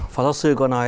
phó giáo sư có nói